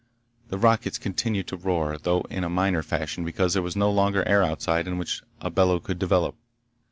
The rockets continued to roar, though in a minor fashion because there was no longer air outside in which a bellow could develop.